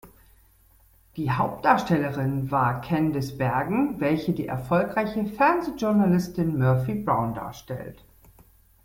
Die Hauptdarstellerin war Candice Bergen, welche die erfolgreiche Fernsehjournalistin "Murphy Brown" darstellt.